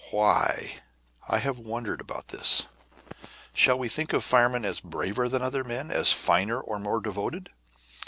Why? I have wondered about this. Shall we think of firemen as braver than other men, as finer or more devoted?